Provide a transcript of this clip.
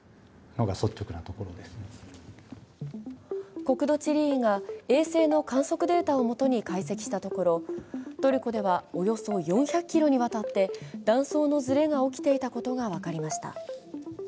国土地理院が衛星の観測データをもとに観測したところトルコではおよそ４００ｋｍにわたって断層のずれが起きていたことが分かりました。